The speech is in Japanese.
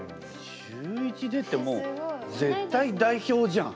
中１でってもう絶対代表じゃん。